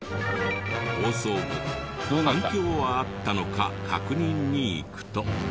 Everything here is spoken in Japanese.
放送後反響はあったのか確認に行くと。